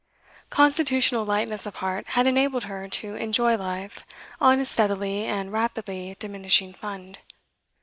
Constitutional lightness of heart had enabled her to enjoy life on a steadily, and rapidly, diminishing fund.